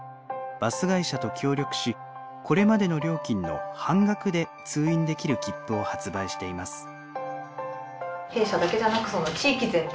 バス会社と協力しこれまでの料金の半額で通院できる切符を発売しています。